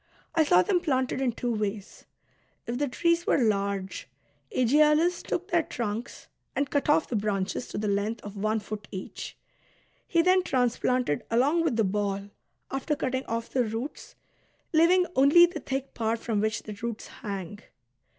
I saw them planted in two ways. If the trees were large, Aegialus took their trunks and cut off the branches to the length of one foot each ; he then transplanted along with the ball, after cutting off the roots, leav ing only the thick part from which the roots hang.